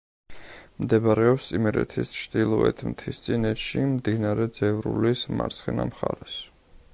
მდებარეობს იმერეთის ჩრდილოეთ მთისწინეთში, მდინარე ძევრულის მარცხენა მხარეს.